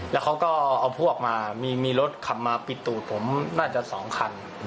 แล้วเขาก็เอาพวกมามีรถขับมาปิดตูดผมน่าจะ๒คัน